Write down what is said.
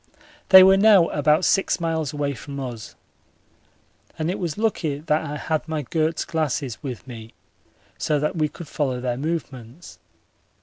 They were now about six miles away from us, and it was lucky that I had my Goerz glasses with me so that we could follow their movements.